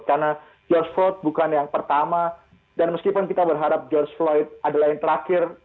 karena george floyd bukan yang pertama dan meskipun kita berharap george floyd adalah yang terakhir